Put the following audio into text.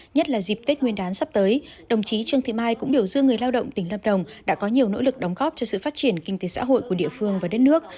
nhất là dịp tết nguyên đán sắp tới đồng chí trương thị mai cũng biểu dương người lao động tỉnh lâm đồng đã có nhiều nỗ lực đóng góp cho sự phát triển kinh tế xã hội của địa phương và đất nước